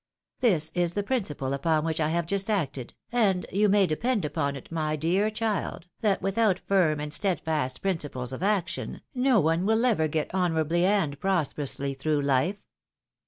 This is the principle upon which 1 have just acted, and you may depend upon it, my dear child, that without iirm and steadfast principles of action, no one win ever get honourably and prosperously through life."